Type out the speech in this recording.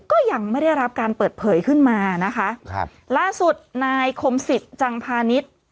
ก็ยังไม่ได้รับการเปิดเผยขึ้นมานะคะครับล่าสุดนายคมสิทธิ์จังพาณิชย์